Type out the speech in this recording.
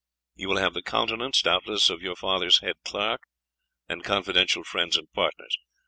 You will have the countenance, doubtless, of your father's head clerk, and confidential friends and partners.